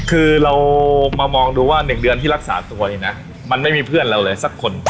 คือเรามามองดูว่า๑เดือนที่รักษาตัวเนี่ยนะมันไม่มีเพื่อนเราเลยสักคน